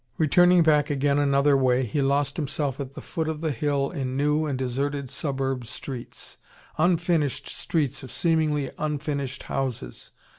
Returning back again another way, he lost himself at the foot of the hill in new and deserted suburb streets unfinished streets of seemingly unfinished houses.